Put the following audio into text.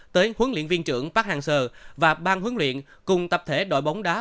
tới huấn luyện viên trưởng park hang seo và ban huấn luyện cùng tập thể đội bóng đá